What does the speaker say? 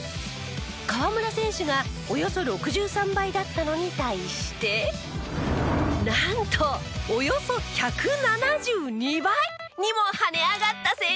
河村選手がおよそ６３倍だったのに対してなんとおよそ１７２倍にも跳ね上がった選手が。